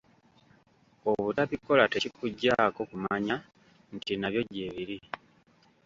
Obutabikola tekituggyaako kumannya nti nabyo gye biri.